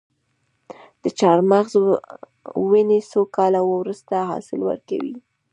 د چهارمغز ونې څو کاله وروسته حاصل ورکوي؟